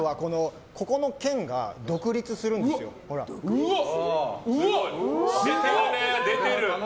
ここの腱が独立するんですよ。出てる！